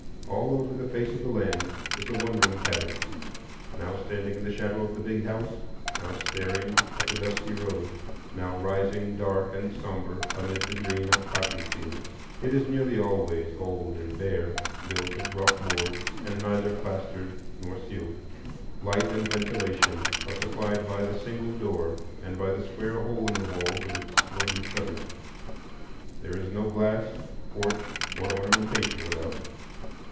All over the face of the land is the one room cabin,—now standing in the shadow of the Big House, now staring at the dusty road, now rising dark and sombre amid the green of the cotton fields. It is nearly always old and bare, built of rough boards, and neither plastered nor ceiled. Light and ventilation are supplied by the single door and by the square hole in the wall with its wooden shutter. There is no glass, porch, or ornamentation without.